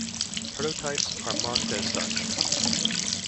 Prototypes are marked as such.